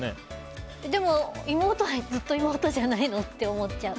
でも、妹はずっと妹じゃないの？って思っちゃう。